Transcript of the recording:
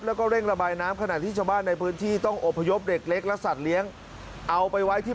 แล้วก็เร่งระบายน้ำขนาดที่ชาวบ้านในพื้นที่